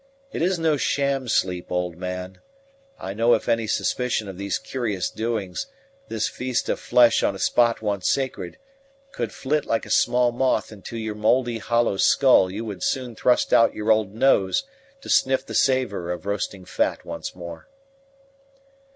It is no sham sleep, old man, I know. If any suspicion of these curious doings, this feast of flesh on a spot once sacred, could flit like a small moth into your mouldy hollow skull you would soon thrust out your old nose to sniff the savour of roasting fat once more."